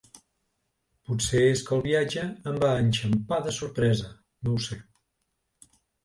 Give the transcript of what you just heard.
Potser és que el viatge em va enxampar de sorpresa, no ho sé.